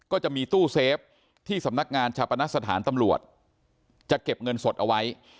ก็จะมีตู้เซฟที่สำนักงานชาปนสถานตำรวจจะเก็บเงินสดเอาไว้